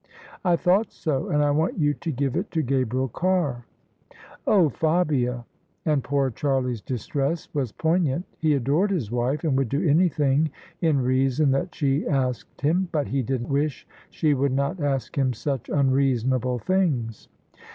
"I thought so: and I want yon to give It to Gabriel Carr." " Oh, Fabia I " And poor Charlie's distress was poignant. He adored his wife, and would do anything in reason that she asked him ; but he did wish she would not ask him such imreasonable things.